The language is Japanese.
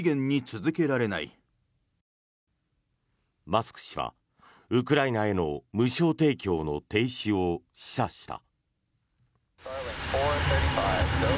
マスク氏はウクライナへの無償提供の停止を示唆した。